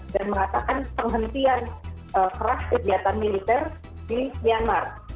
dan mengatakan penghentian keras kegiatan militer di myanmar